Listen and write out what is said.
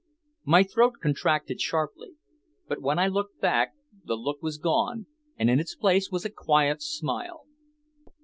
My throat contracted sharply. But when I looked back the look was gone, and in its place was a quiet smile.